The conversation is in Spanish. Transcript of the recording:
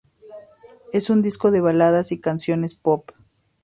Es un disco de baladas y canciones pop.